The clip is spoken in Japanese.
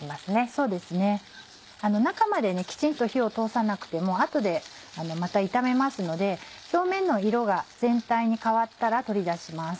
そうですね中まできちんと火を通さなくてもあとでまた炒めますので表面の色が全体に変わったら取り出します。